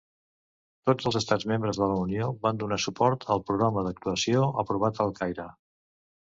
Tots els Estats Membres de la Unió van donar suport al Programa d'actuació aprovat al Caire.